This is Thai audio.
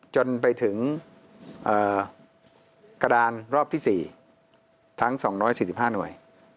จนไปถึงกระดานรอบที่๔ทั้ง๒๔๕หน่วย